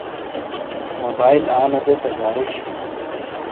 موبائیل آنے دے تا زارش۔